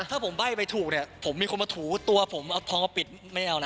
ถ้าผมใบ้ไปถูกเนี่ยผมมีคนมาถูตัวผมเอาทองมาปิดไม่เอานะ